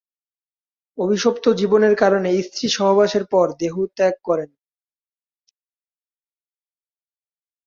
অভিশপ্ত জীবনের কারণে স্ত্রী সহবাসের পর দেহ ত্যাগ করেন।